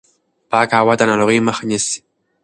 پاکه هوا د ناروغیو مخه نیسي.